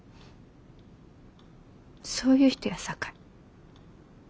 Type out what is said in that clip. そういう人やさかい。